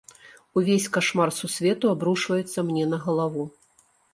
Увесь кашмар сусвету абрушваецца мне на галаву.